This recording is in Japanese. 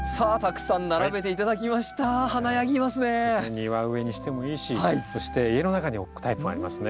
庭植えにしてもいいしそして家の中に置くタイプもありますね。